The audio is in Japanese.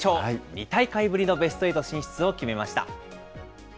２大会ぶりのベストエイト進出を決めました。